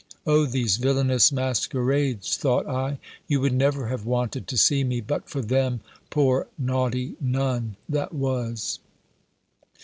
"O these villainous masquerades," thought I! "You would never have wanted to see me, but for them, poor naughty Nun, that was!"